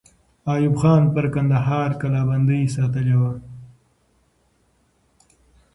ایوب خان پر کندهار کلابندۍ ساتلې وه.